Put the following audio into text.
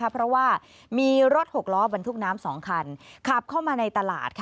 เพราะว่ามีรถ๖ล้อบรรทุกน้ำ๒คันขับเข้ามาในตลาด